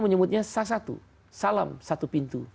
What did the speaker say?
menyebutnya sa satu salam satu pintu